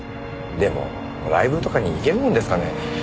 でもライブとかに行けるもんですかね？